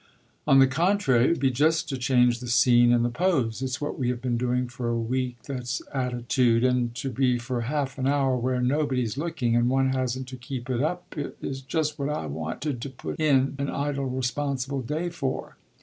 "On the contrary, it would be just to change the scene and the pose. It's what we have been doing for a week that's attitude; and to be for half an hour where nobody's looking and one hasn't to keep it up is just what I wanted to put in an idle irresponsible day for.